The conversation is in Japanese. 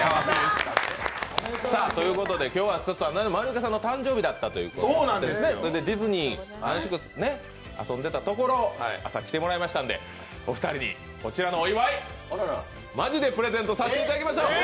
今日は、まるゆかさんの誕生日だったということで、それでディズニー、遊んでたところを朝、来てもらいましたんでお二人にこちらのお祝い、マジでプレゼントさせていただきましょう。